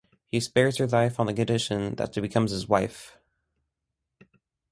He spares her life on the condition that she becomes his wife.